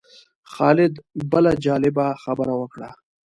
خالد بله جالبه خبره وکړه.